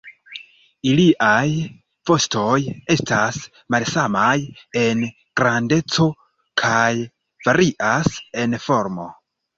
Iliaj vostoj estas malsamaj en grandeco kaj varias en formo.